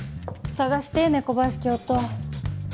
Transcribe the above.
探して猫林教頭。